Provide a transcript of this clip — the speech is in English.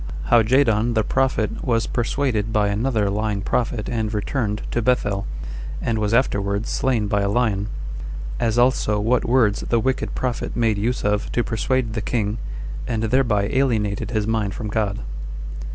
How Jadon The Prophet Was Persuaded By Another Lying Prophet And Returned [To Bethel,] And Was Afterwards Slain By A Lion. As Also What Words The Wicked Prophet Made Use Of To Persuade The King, And Thereby Alienated His Mind From God.